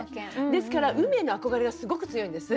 ですから海への憧れはすごく強いんです。